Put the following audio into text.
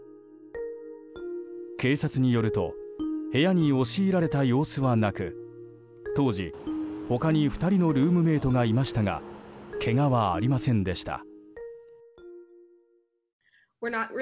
警察によると部屋に押し入られた様子はなく当時、他に２人のルームメートがいましたがけがはありませんでした。